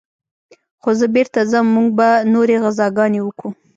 خو زه بېرته ځم موږ به نورې غزاګانې وكو.